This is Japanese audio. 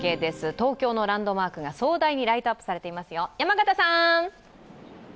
東京のランドマークが壮大にライトアップされていますよ。